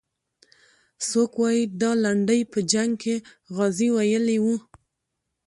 څوک وایي دا لنډۍ په جنګ کې غازي ویلې وه.